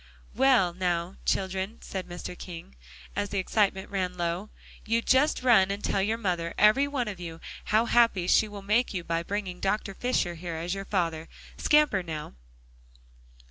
"Well, now, children," said Mr. King, as the excitement ran low, "you just run and tell your mother, every one of you, how happy she will make you by bringing Dr. Fisher here as your father. Scamper, now!"